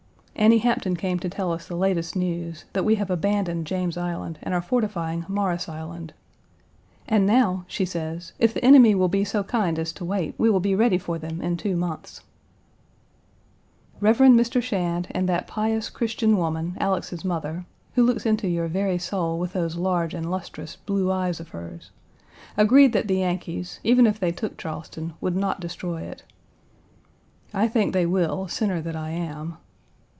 Annie Hampton came to tell us the latest news that we have abandoned James Island and are fortifying Morris Island. "And now," she says, "if the enemy will be so kind as to wait, we will be ready for them in two months." Rev. Mr. Shand and that pious Christian woman, Alex's mother (who looks into your very soul with those large and lustrous blue eyes of hers) agreed that the Yankees, even if they took Charleston, would not destroy it. I think they will, sinner that I am.